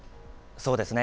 そうですね。